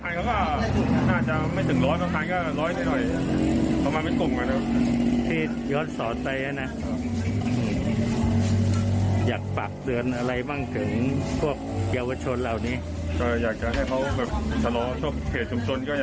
อยากให้เขาสะล้อเกตสมสนก็อยากให้ลดความเร็วลงเลย